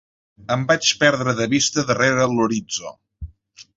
Em vaig perdre de vista darrera l'horitzó.